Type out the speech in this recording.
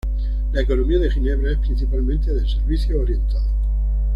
La economía de Ginebra es principalmente de servicios orientados.